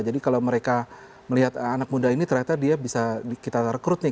jadi kalau mereka melihat anak muda ini ternyata dia bisa kita rekrut nih